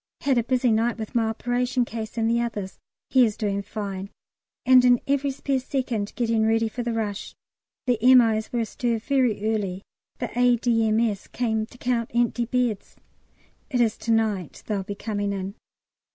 Had a busy night with my operation case and the others (he is doing fine), and in every spare second getting ready for the rush. The M.O.'s were astir very early; the A.D.M.S. came to count empty beds. It is to night they'll be coming in.